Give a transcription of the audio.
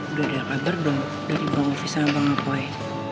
udah ada kabar dong dari bang wifi sama bang apoy